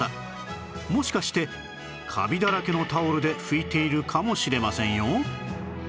もしかしてカビだらけのタオルで拭いているかもしれませんよ